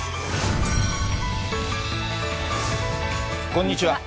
こんにちは。